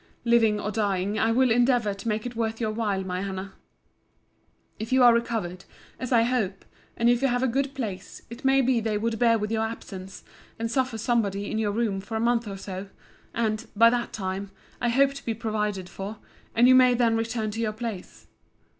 Living or dying, I will endeavour to make it worth your while, my Hannah. If you are recovered, as I hope, and if you have a good place, it may be they would bear with your absence, and suffer somebody in your room for a month or so: and, by that time, I hope to be provided for, and you may then return to your place.